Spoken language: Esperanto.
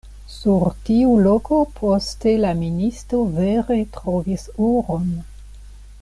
Sur tiu loko poste la ministo vere trovis oron.